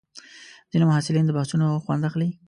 ځینې محصلین د بحثونو خوند اخلي.